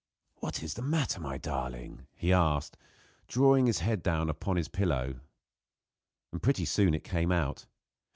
"What is the matter with my darling?" he asked, drawing her head down upon his pillow. And pretty soon it came out.